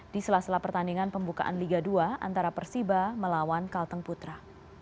di sela sela pertandingan pembukaan liga dua antara persiba melawan kalteng putra